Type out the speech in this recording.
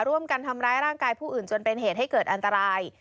ร่วมกันทำร้ายร่างกายผู้อื่นจนเป็นเหตุให้เกิดอันตราย